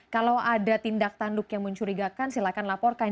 kalau ada tindak tanduk yang mencurigakan silahkan laporkan